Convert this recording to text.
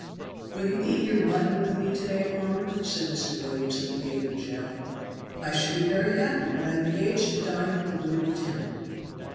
"WILL you eat your mutton with me to day, Palmer?" said Mr. Williams at the gate of the jail. "I should be very happy, but I am engaged to dine with the lord lieutenant."